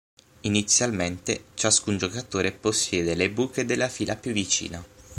Inizialmente, ciascun giocatore "possiede" le buche della fila più vicina.